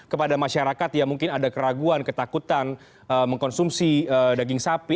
kepada masyarakat yang mungkin ada keraguan ketakutan mengkonsumsi daging sapi